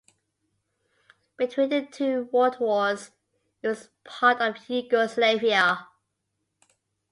Between the two World Wars it was a part of Yugoslavia.